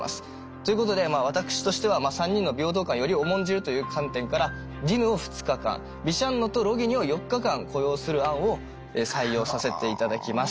ということで私としては３人の平等感をより重んじるという観点からディヌを２日間ビシャンノとロギニを４日間雇用する案を採用させていただきます。